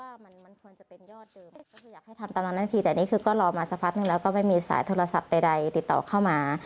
อยากให้ทำตามนั้นหนึ่งทีแต่นี่คือก็รอมาสักพักหนึ่งแล้วก็ไม่มีสายโทรศัพท์ใดใดติดต่อเข้ามา